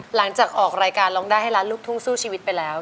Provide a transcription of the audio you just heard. หลังจากออกรายการร้องได้ให้ล้านลูกทุ่งสู้ชีวิตไปแล้ว